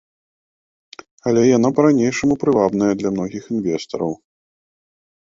Але яна па-ранейшаму прывабная для многіх інвестараў.